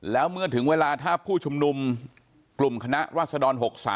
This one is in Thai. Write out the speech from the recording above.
แล้วเมื่อถึงเวลาถ้าผู้ชุมนุมกลุ่มคณะรัศดร๖๓